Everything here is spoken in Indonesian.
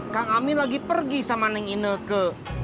kang amin lagi pergi sama neng ineke